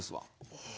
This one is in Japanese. へえ。